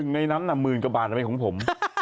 ๑ในน้ำมืนกว่าบาทไม่มีของผม